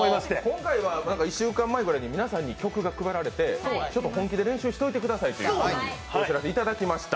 今回は１週間前ぐらいに曲が配られて本気で練習しておいてくださいというお知らせをいただきました。